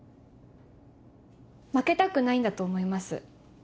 負けたくないんだと思います